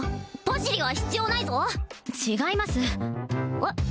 パシリは必要ないぞ違いますえっ？